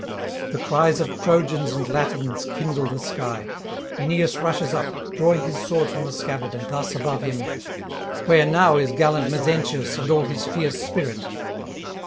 The cries of Trojans and Latins kindle the sky. Aeneas rushes up, drawing his sword from the scabbard, and thus above him: 'Where now is gallant Mezentius and all his fierce spirit?'